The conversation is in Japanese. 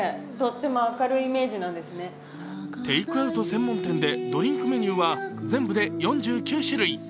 テイクアウト専門店でドリンクメニューは全部で４９種類。